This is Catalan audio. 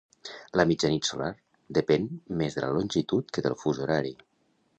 La mitjanit solar depén més de la longitud que del fus horari.